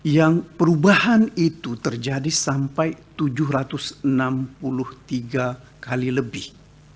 yang perubahan itu terjadi sampai tujuh ratus enam puluh tiga kali lebih